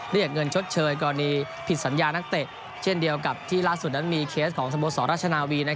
เรียกเงินชดเชยกรณีผิดสัญญานักเตะเช่นเดียวกับที่ล่าสุดนั้นมีเคสของสโมสรราชนาวี